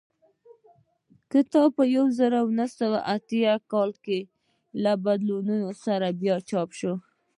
کتاب په زر نه سوه اتیا کال کې له بدلونونو سره بیا چاپ شو